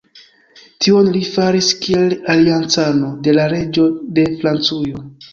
Tion li faris kiel aliancano de la reĝo de Francujo.